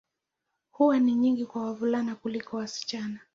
Huwa ni nyingi kwa wavulana kuliko wasichana.